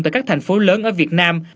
tại các thành phố lớn ở việt nam